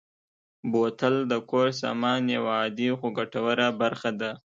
بوتل د کور سامان یوه عادي خو ګټوره برخه ده.